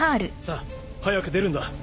さあ早く出るんだ。